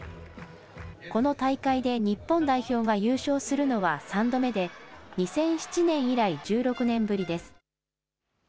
この大会で日本代表が優勝するのは３度目で、２００７年以来、１６年ぶりです。